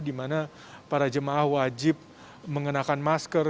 di mana para jemaah wajib mengenakan masker